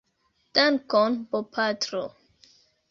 Dankon bopatro.